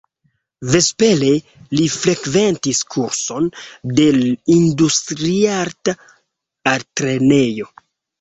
Vespere li frekventis kurson de Industriarta Altlernejo.